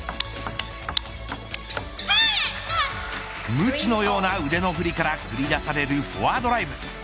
むちのような腕の振りから繰り出されるフォアドライブ。